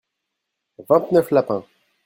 vingt neuf lapins.